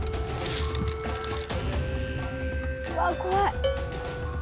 うわっ怖い。